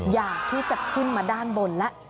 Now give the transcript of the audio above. อยากที่จะขึ้นมาด้านบนแล้ว